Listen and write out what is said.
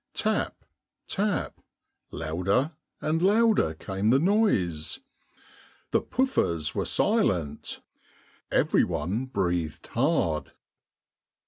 Tap, tap, louder and louder, came the noise. The Pouffers were silent — every one breathed hard.